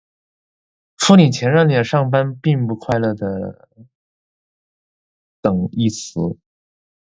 付你钱让你来上班并不快乐的等义词。